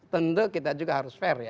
tentu kita juga harus fair ya